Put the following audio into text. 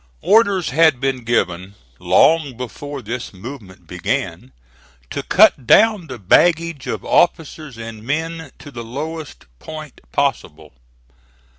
Orders had been given, long before this movement began, to cut down the baggage of officers and men to the lowest point possible.